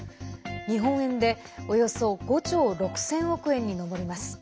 日本円でおよそ５兆６０００億円に上ります。